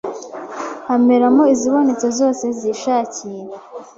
hameramo izibonetse zose zishakiye